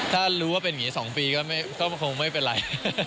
ถ้ารู้ว่าเป็นอย่างนี้๒ปีก็คงไม่เป็นไร